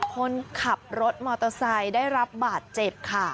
คนขับรถมอเตอร์ไซค์ได้รับบาดเจ็บค่ะ